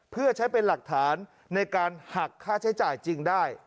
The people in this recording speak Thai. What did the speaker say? เพื่อใช้เป็นหลักฐานในการหักค่าใช้จ่ายจริงได้